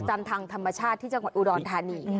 ทางธรรมชาติที่จังหวัดอุดรธานี